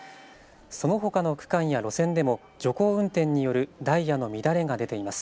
その他の区間や路線でも徐行運転によるダイヤの乱れが出ています。